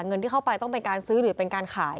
เงินที่เข้าไปต้องเป็นการซื้อหรือเป็นการขาย